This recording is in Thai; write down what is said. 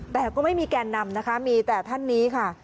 แต่ก็ไม่มีแกนนำนะคะมีแต่ท่านนี้ค่ะ